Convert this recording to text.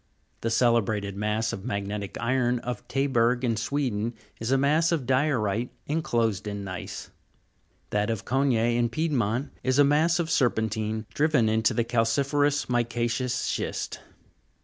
The celebrated mass of magnetic iron of Taberg, in Sweden, is a mass of diorite enclosed in gneiss ; that of Cogne, in Piedmont, is a mass of serpentine driven into the calci'ferous mica'ceous schist.